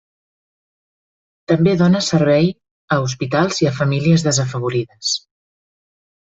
També dóna servei a hospitals i a famílies desafavorides.